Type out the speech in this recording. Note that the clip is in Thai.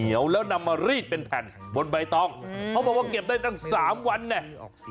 แล้วนำมารีดเป็นแผ่นบนใบตองเขาบอกว่าเก็บได้ตั้ง๓วันเนี่ย